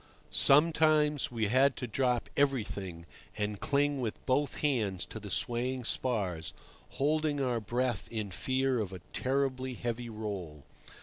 Sometimes we had to drop everything and cling with both hands to the swaying spars, holding our breath in fear of a terribly heavy roll.